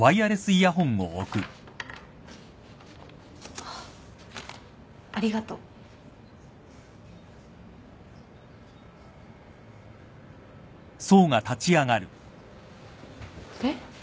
あっありがとう。えっ？